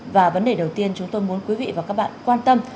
và vấn đề đầu tiên chúng tôi muốn quý vị và các bạn quan tâm